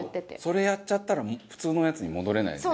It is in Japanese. それやっちゃったら普通のやつに戻れないよね。